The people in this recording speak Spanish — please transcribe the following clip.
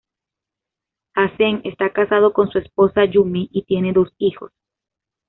Hansen está casado con su esposa, Yumi y tiene dos hijos.